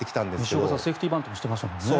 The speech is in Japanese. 西岡さんはセーフティーバントもしてましたもんね。